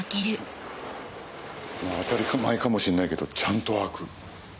当たり前かもしんないけどちゃんと開く。